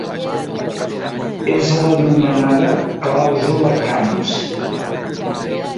És l’anomenada ‘clàusula Camps’.